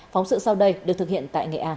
phóng sự sau đây được thực hiện tại nghệ an